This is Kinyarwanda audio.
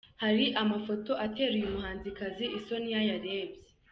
Hari amafoto atera uyu muhanzikazi isoni iyo ayarebye!.